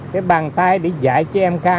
cái bàn tay để dạy cho em ca